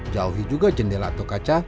jauhi juga jendela atau kaca